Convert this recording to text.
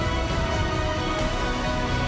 ขอบคุณภูมิพิศวกรรมวิชาได้เกันกแทบ